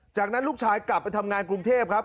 จากนั้นลูกชายกลับไปทำงานกรุงเทพครับ